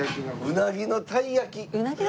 うなぎの鯛焼き？